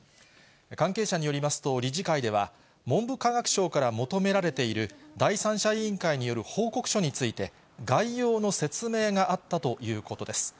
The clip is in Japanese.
関係者によりますと、理事会では、文部科学省から求められている第三者委員会による報告書について、概要の説明があったということです。